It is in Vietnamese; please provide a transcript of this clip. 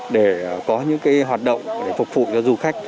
để có những hoạt động để phục vụ cho du khách